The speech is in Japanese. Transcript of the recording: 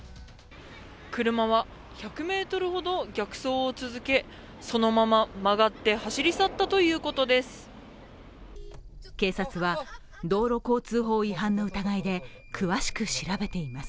車は１００ｍほど逆走を続けそのまま曲がって走り去ったということです。